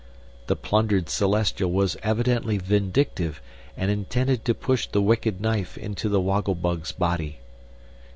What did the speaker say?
The plundered Celestial was evidently vindictive, and intended to push the wicked knife into the Woggle Bug's body.